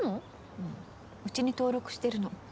うんうちに登録してるの。